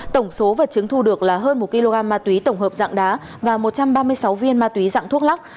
tổng số vật chứng thu được là hơn một kg ma túy tổng hợp dạng đá và một trăm ba mươi sáu viên ma túy dạng thuốc lắc